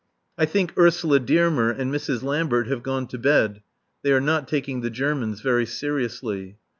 I think Ursula Dearmer and Mrs. Lambert have gone to bed. They are not taking the Germans very seriously.